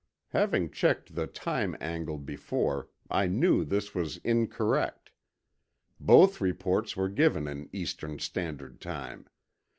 Having checked the time angle before, I knew this was incorrect. Both reports were given in eastern standard time.